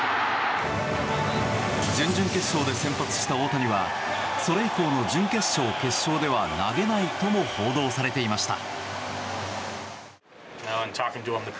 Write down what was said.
準々決勝で先発した大谷はそれ以降の準決勝、決勝では投げないとも報道されていました。